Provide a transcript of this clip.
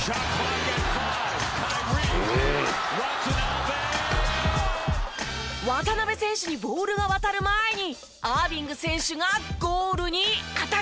「うん」渡邊選手にボールが渡る前にアービング選手がゴールにアタック！